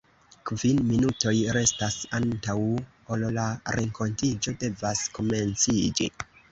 Kvin minutoj restas antaŭ ol la renkontiĝo devas komenciĝi.